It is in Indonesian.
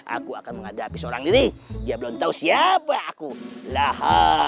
aku akan menghadapi seorang diri dia belum tahu siapa aku lah